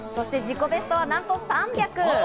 自己ベストはなんと３００！